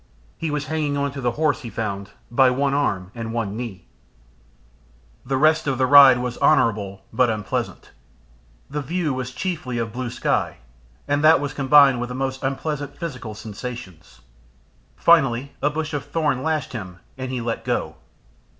He was hanging on to the horse, he found, by one arm and one knee. The rest of the ride was honourable but unpleasant. The view was chiefly of blue sky, and that was combined with the most unpleasant physical sensations. Finally, a bush of thorn lashed him and he let go.